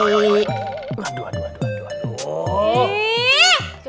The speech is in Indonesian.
aduh aduh aduh aduh